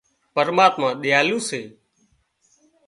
پرماتما ۮيالو سي